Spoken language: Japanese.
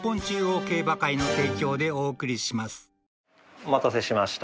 お待たせしました。